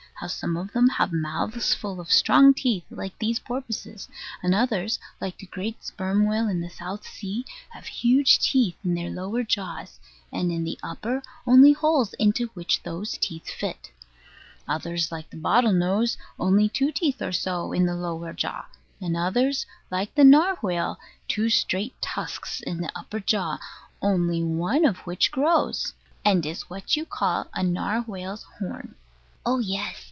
How some of them have mouths full of strong teeth, like these porpoises; and others, like the great sperm whale in the South Sea, have huge teeth in their lower jaws, and in the upper only holes into which those teeth fit; others like the bottle nose, only two teeth or so in the lower jaw; and others, like the narwhal, two straight tusks in the upper jaw, only one of which grows, and is what you call a narwhal's horn. Oh yes.